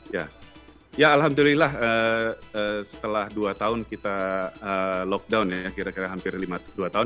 ya alhamdulillah setelah dua tahun kita lockdown ya kira kira hampir dua tahun